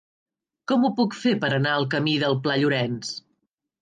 Com ho puc fer per anar al camí del Pla Llorenç?